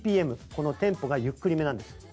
このテンポがゆっくりめなんです。